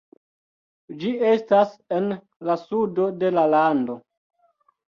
Ĝi estas en la sudo de la lando.